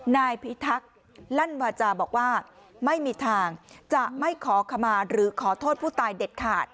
นายพิทักษ์ลั่นวาจาบอกว่าไม่มีทางจะไม่ขอขมาหรือขอโทษผู้ตายเด็ดขาด